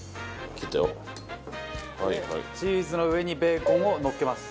切ったよ。でチーズの上にベーコンをのっけます。